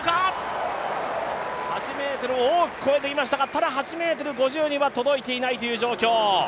８ｍを大きく越えてきましたが、８ｍ５０には届いていない状況。